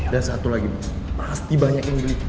dan satu lagi pasti banyak yang beli